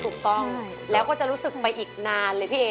ถูกต้องแล้วก็จะรู้สึกไปอีกนานเลยพี่เอ